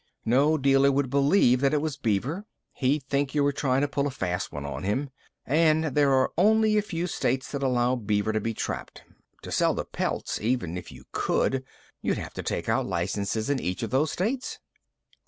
"No dealer would believe that it was beaver. He'd think you were trying to pull a fast one on him. And there are only a few states that allow beaver to be trapped. To sell the pelts even if you could you'd have to take out licenses in each of those states."